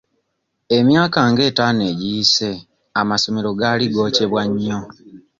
Emyaka nga etaano egiyise amasomero gaali gookyebwa nnyo.